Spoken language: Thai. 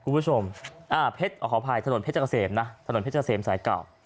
เพชรอสภัยถนนเพชรอสเยมสายเก่า